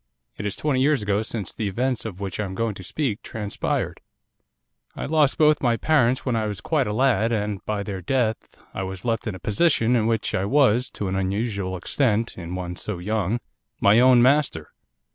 It is twenty years ago since the events of which I am going to speak transpired. 'I lost both my parents when I was quite a lad, and by their death I was left in a position in which I was, to an unusual extent in one so young, my own master.